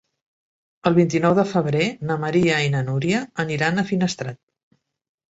El vint-i-nou de febrer na Maria i na Núria aniran a Finestrat.